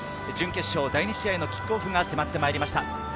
準決勝第２試合のキックオフが迫ってまいりました。